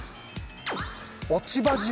落ち葉汁？